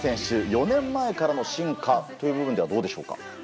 ４年前からの進化という点ではどうでしょうか？